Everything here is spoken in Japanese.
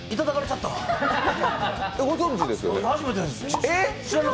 ご存じですよね？